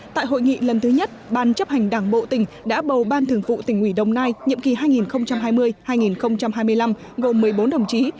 tại hội nghị lần thứ nhất ban chấp hành đảng bộ tỉnh đã bầu ban thường vụ tỉnh ủy đồng nai nhiệm kỳ hai nghìn hai mươi hai nghìn hai mươi năm gồm một mươi bốn đồng chí